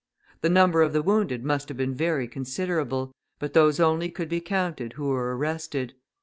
The number of the wounded must have been very considerable, but those only could be counted who were arrested.